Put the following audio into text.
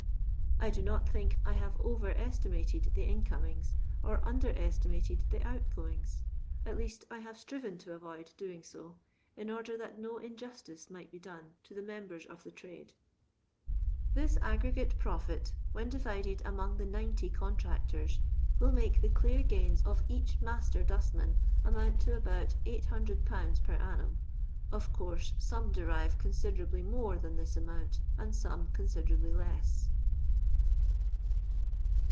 I do not think I have over estimated the incomings, or under estimated the out goings ; at least 1 have striven to avoid doing so, in order that no in justice might be dono to the members of the trade. This aggregate profit, when divided among the 90 contractors, will make the clear gains of each master duntman amount to about 800/. per annum ; of coursd some derive considerably more than thii amount, and some considerably less.